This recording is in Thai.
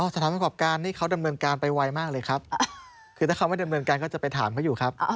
สถานประกอบการนี่เขาดำเนินการไปไวมากเลยครับคือถ้าเขาไม่ดำเนินการก็จะไปถามเขาอยู่ครับ